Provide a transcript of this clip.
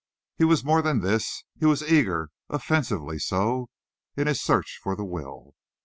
He was more than this. He was eager, offensively so, in his search for the will.